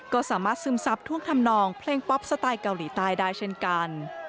ก็สามารถซึมซับทุกธรรมนองเพลงป๊อปสไตล์เกาหลีใต้ได้เช่นกัน